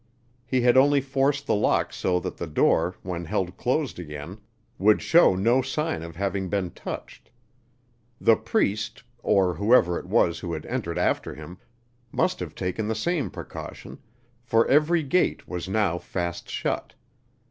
He had only forced the lock so that the door when held closed again would show no sign of having been touched. The priest, or whoever it was who had entered after him, must have taken the same precaution, for every gate was now fast shut.